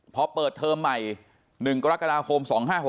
พอเปิดเทอมใหม่๑กรกฎาคม๒๕๖๖